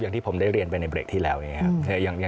อย่างที่ผมได้เรียนไปในเบรกที่แล้วอย่างนี้ครับ